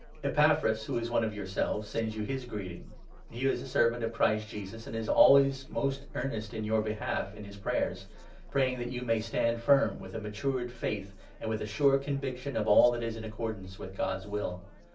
Epaphras, who is 12 one of yourselves, sends you his greeting. He is a servant of Christ Jesus, and is always most earnest in your behalf in his prayers, praying that you may stand firm, with a matured faith and with a sure conviction of all that is in accordance with God's will.